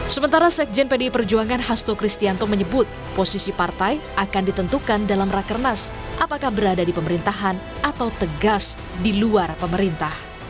sementara sekjen pdi perjuangan hasto kristianto menyebut posisi partai akan ditentukan dalam rakernas apakah berada di pemerintahan atau tegas di luar pemerintah